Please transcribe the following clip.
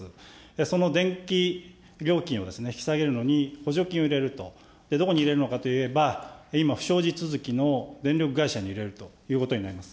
その電気料金を引き下げるのに、補助金を入れると、どこに入れるのかといえば、今、不祥事続きの電力会社に入れるということになります。